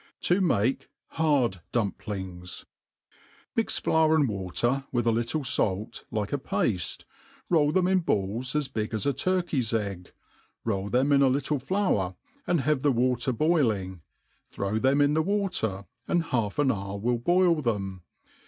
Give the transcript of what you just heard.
id mM hdtd DmpHngh MtX lour and water,, with a little fait, like a pafte^ foil them in balli, as big as a tiirkey^s egg, roll them in a littld flour, have the water boilings throw them in the watery and half an hour will boil them.